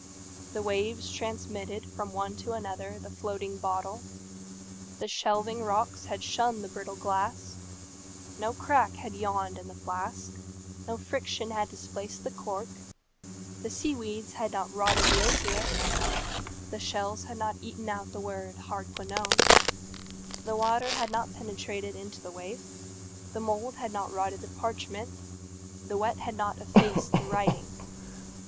The waves transmitted from one to another the floating bottle. The shelving rocks had shunned the brittle glass; no crack had yawned in the flask; no friction had displaced the cork; the sea weeds had not rotted the osier; the shells had not eaten out the word "Hardquanonne;" the water had not penetrated into the waif; the mould had not rotted the parchment; the wet had hot effaced the writing.